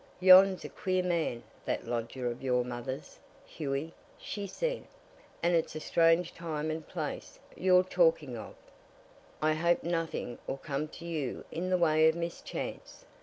"Yon's a queer man, that lodger of your mother's, Hughie," she said. "And it's a strange time and place you're talking of. I hope nothing'll come to you in the way of mischance."